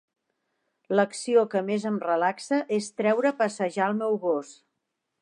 L'acció que més em relaxa és treure a passejar el meu gos.